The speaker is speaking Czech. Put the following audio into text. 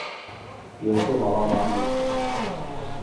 Je zde malá márnice.